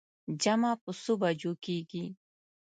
جمعه په څو بجو کېږي.